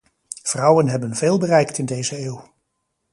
Vrouwen hebben veel bereikt in deze eeuw.